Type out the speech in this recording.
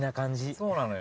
そうなのよ。